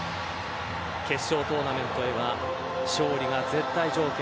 決勝トーナメントでは勝利が絶対条件。